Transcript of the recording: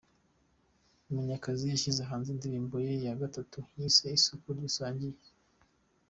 Munyakazi yashyize hanze indirimbo ye ya gatatu yise ’Isoko Dusangiye’.